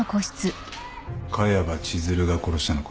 萱場千寿留が殺したのか？